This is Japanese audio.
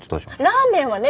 ラーメンはね。